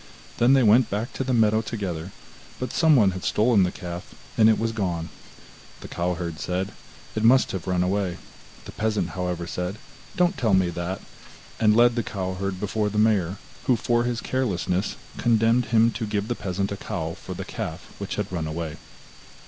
Then they went back to the meadow together, but someone had stolen the calf, and it was gone. The cow herd said: 'It must have run away.' The peasant, however, said: 'Don't tell me that,' and led the cow herd before the mayor, who for his carelessness condemned him to give the peasant a cow for the calf which had run away.